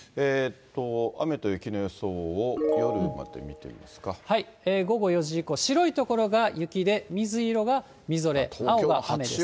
雨と雪の予想を、午後４時以降、白い所が雪で水色がみぞれ、青が雨です。